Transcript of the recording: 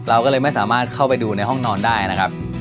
เราก็เลยไม่สามารถเข้าไปดูในห้องนอนได้นะครับ